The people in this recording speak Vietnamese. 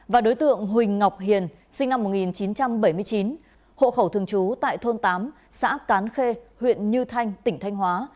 và đối tượng huỳnh ngọc hiền sinh năm một nghìn chín trăm bảy mươi chín hộ khẩu thường trú tại thôn tám xã cán khê huyện như thanh tỉnh thanh hóa